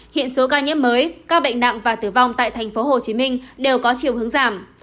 hiện số ca nhiễm mới các bệnh nặng và tử vong tại tp hcm đều có chiều hướng giảm